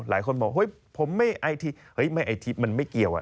หลายคนบอกผมไม่ไอทีมันไม่เกี่ยว